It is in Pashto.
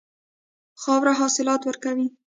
خاوره حاصلات ورکوي.